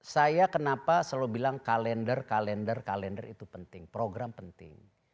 saya kenapa selalu bilang kalender kalender kalender itu penting program penting